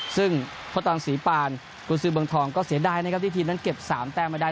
ซึ่งพ่อตรังศรีปานกุศือเมืองทองก็เสียดายนะครับที่ทีมนั้นเก็บ๓แต้มมาได้